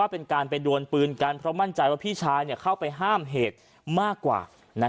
เพราะมั่นใจว่าพี่ชายเข้าไปห้ามเหตุมากกว่า